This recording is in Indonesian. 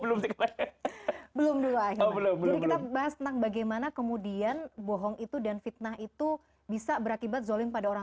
belum la ripa breno belum lambat bagaimana kemudian bohong itu dan fitnah itu bisa berakibat so ultang